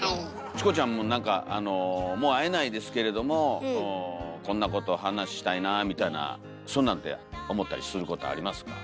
チコちゃんもなんかもう会えないですけれどもこんなこと話したいなぁみたいなそんなんって思ったりすることありますか？